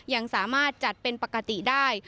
ยังสามารถจัดเป็นปกติได้